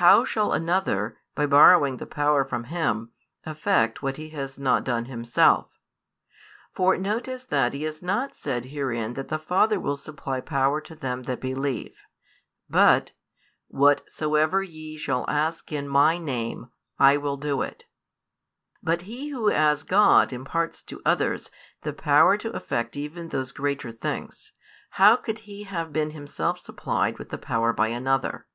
How shall another, by borrowing the power from Him, effect what He has not done Himself? For notice that He has not said herein that the Father will supply power to them that believe; but, |293 Whatsoever ye shall ask in My Name, I will do it. But He Who as God imparts to others the power to effect even those greater things, how could He have been Himself supplied with the power by another?"